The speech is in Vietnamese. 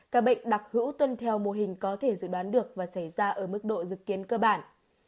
các bệnh đặc hữu tuân theo mô hình có thể dự đoán được và xảy ra ở mức độ dự kiến cơ bản